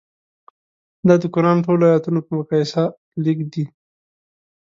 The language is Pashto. دا د قران ټولو ایتونو په مقایسه لږ دي.